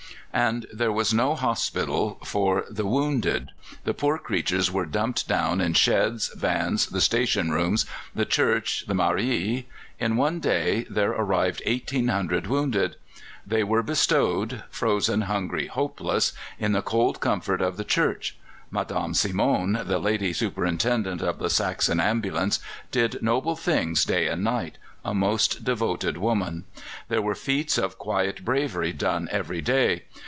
And there was no hospital for the wounded! the poor creatures were dumped down in sheds, vans, the station rooms, the church, the mairie. In one day there arrived 1,800 wounded. They were bestowed frozen, hungry, hopeless in the cold comfort of the church. Madame Simon, the lady superintendent of the Saxon ambulance, did noble things day and night a most devoted woman. There were feats of quiet bravery done every day.